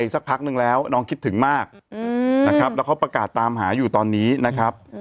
สักพักนึงแล้วน้องคิดถึงมากนะครับแล้วเขาประกาศตามหาอยู่ตอนนี้นะครับ